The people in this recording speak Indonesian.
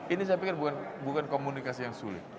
ini saya pikir bukan komunikasi yang sulit